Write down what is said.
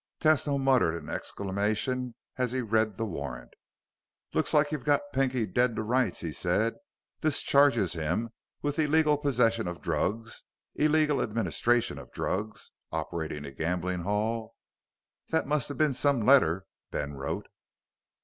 Tesno muttered an exclamation as he read the warrant. "Looks like you've got Pinky dead to rights," he said. "This charges him with illegal possession of drugs, illegal administration of drugs, operating a gambling hall.... That must have been some letter Ben wrote!"